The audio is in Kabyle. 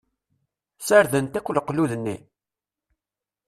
Sardent akk leqlud-nni?